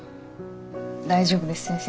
大丈夫です先生。